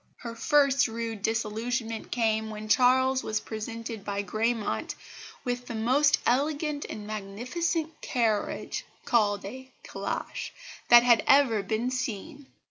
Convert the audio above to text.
Her first rude disillusionment came when Charles was presented by Gramont with "the most elegant and magnificent carriage (called a 'calash') that had ever been seen."